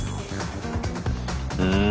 うん。